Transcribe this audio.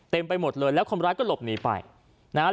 เต็มไปหมดเลยแล้วคนร้ายก็หลบหนีไปนะครับ